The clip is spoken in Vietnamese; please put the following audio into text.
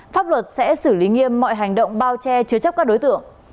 pháp luật sẽ xử lý nghiêm mọi hành động bao che chứa chấp các đối tượng